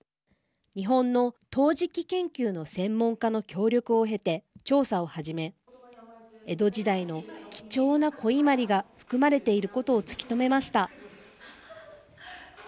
日本の陶磁器研究の専門家の協力を得て調査を始め、江戸時代の貴重な古伊万里が含まれていることを突き止めました。